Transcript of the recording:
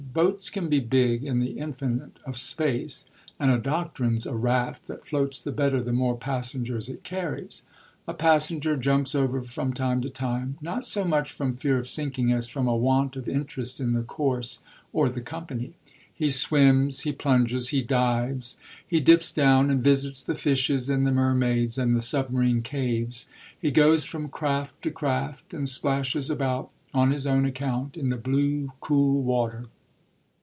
Boats can be big, in the infinite of space, and a doctrine's a raft that floats the better the more passengers it carries. A passenger jumps over from time to time, not so much from fear of sinking as from a want of interest in the course or the company. He swims, he plunges, he dives, he dips down and visits the fishes and the mermaids and the submarine caves; he goes from craft to craft and splashes about, on his own account, in the blue, cool water.